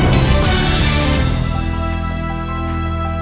เยี่ยม